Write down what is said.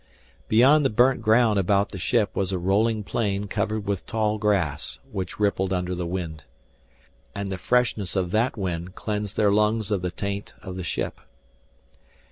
Beyond the burnt ground about the ship was a rolling plain covered with tall grass which rippled under the wind. And the freshness of that wind cleansed their lungs of the taint of the ship.